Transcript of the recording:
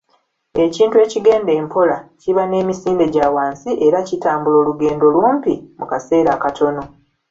Ekintu ekigenda empola kiba n'emisinde gya wansi era kitambula olugendo lumpi mu kaseera akatono